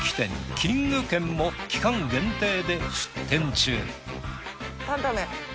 キング軒も期間限定で出店中。